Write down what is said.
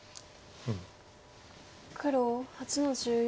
黒８の十四。